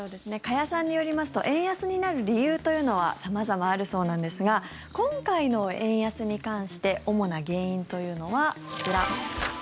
加谷さんによりますと円安になる理由というのは様々あるそうなんですが今回の円安に関して主な原因というのはこちら。